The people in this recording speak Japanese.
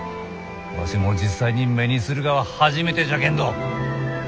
わしも実際に目にするがは初めてじゃけんど。